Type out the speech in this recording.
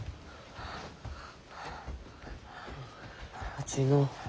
熱いのう。